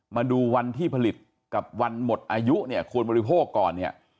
มาดูวันที่ผลิตกับวันหมดอายุเนี่ยควรบริโภคก่อนเนี่ย